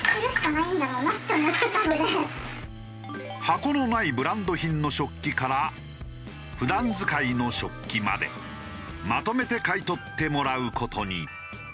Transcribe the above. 箱のないブランド品の食器から普段使いの食器までまとめて買い取ってもらう事に。